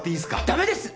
ダメです！